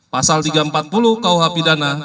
pasal tiga ratus empat puluh kuh pidana